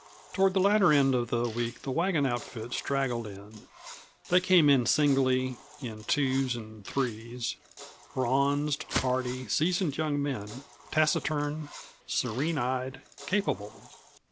Toward the latter end of the week the wagon outfit straggled in. They came in singly, in twos and threes, bronzed, hardy, seasoned young men, taciturn, serene eyed, capable.